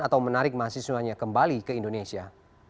atau menarik mahasiswanya kembali ke indonesia